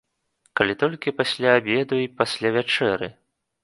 Калі толькі пасля абеду і пасля вячэры.